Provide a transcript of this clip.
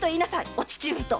「お父上」と‼